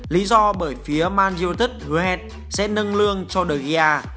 lý do bởi phía man utd hứa hẹn sẽ nâng lương cho de gea